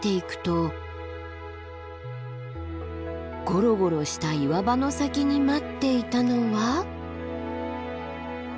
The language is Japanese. ゴロゴロした岩場の先に待っていたのは。